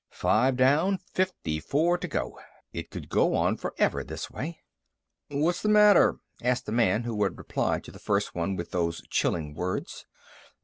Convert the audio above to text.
Five down. Fifty four to go. It could go on forever this way. "What's the matter?" asked the man who had replied to the first one with those chilling words.